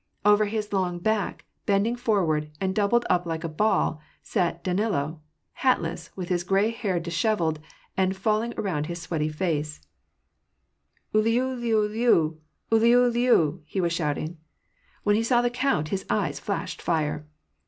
Over his long back, bending for ward, and doubled up like a ball, sat Danilo, hatless, witii hia gray hair dishevelled and falling around his sweaty face, ^^ UlivZiuliu ! Uliuliu /" he was shouting. When he saw the count, his eyes flashed fire.